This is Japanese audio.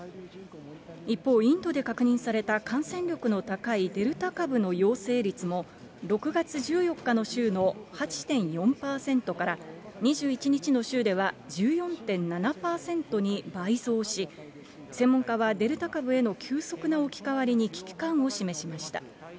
一方、インドで確認された感染力の高いデルタ株の陽性率も、６月１４日の週の８．４％から、２１日の週では１４．７％に倍増し、専門家はデルタ株への急速な置き換わりに危機感を示しました。